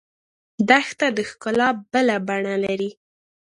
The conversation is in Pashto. دښته د ښکلا بله بڼه لري.